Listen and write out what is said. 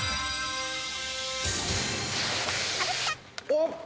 おっ！